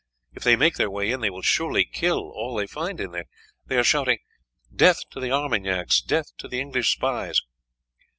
If they make their way in, they will surely kill all they find in there. They are shouting, 'Death to the Armagnacs! Death to the English spies!'